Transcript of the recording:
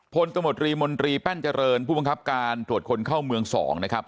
ตมตรีมนตรีแป้นเจริญผู้บังคับการตรวจคนเข้าเมือง๒นะครับ